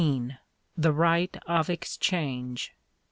THE RIGHT OF EXCHANGE.